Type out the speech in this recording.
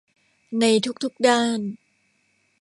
ในทุกทุกด้าน